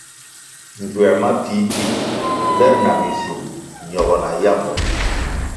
Nzuer ma pfihpfih ber na minschun ñogo na yambo.